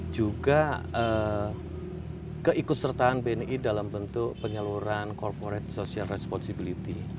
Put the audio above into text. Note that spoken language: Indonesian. juga keikutsertaan bni dalam bentuk penyaluran corporate social responsibility